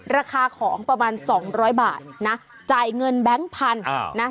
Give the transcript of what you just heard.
ราคาของประมาณสองร้อยบาทนะจ่ายเงินแบงค์พันธุ์นะ